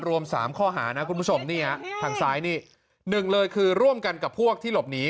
รวม๓ข้อหานะคุณผู้ชมนี่ฮะทางซ้ายนี่หนึ่งเลยคือร่วมกันกับพวกที่หลบหนี